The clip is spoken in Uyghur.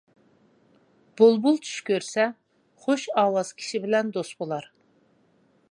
بۇلبۇل چۈش كۆرسە، خۇش ئاۋاز كىشى بىلەن دوست بولار.